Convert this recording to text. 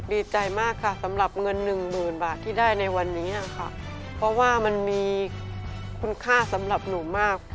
ดีใจมากค่ะสำหรับเงินหนึ่งหมื่นบาทที่ได้ในวันนี้ค่ะเพราะว่ามันมีคุณค่าสำหรับหนูมาก